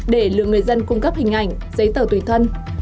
để lừa người dân cung cấp hình ảnh giấy tờ tùy thân